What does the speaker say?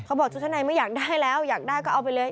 บอกชุดชั้นในไม่อยากได้แล้วอยากได้ก็เอาไปเลย